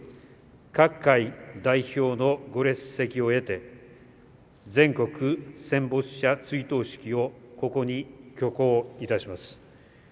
各界代表のご列席を得て全国戦没者追悼式をここに挙行いたします。